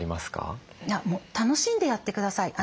もう楽しんでやって下さい。